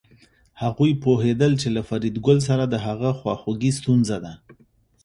هغوی پوهېدل چې له فریدګل سره د هغه خواخوږي ستونزه ده